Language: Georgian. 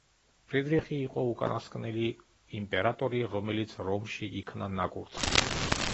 ფრიდრიხი იყო უკანასკნელი იმპერატორი, რომელიც რომში იქნა ნაკურთხი.